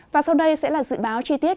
và sau đây sẽ là dự báo chi tiết